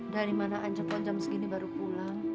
dari mana aja pojam segini baru pulang